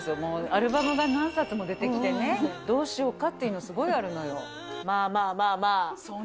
アルバムが何冊も出てきてね、どうしようかって、今すごいあるのよ。